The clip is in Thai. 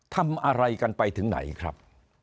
ทำอะไรกันไปถึงไหนครับ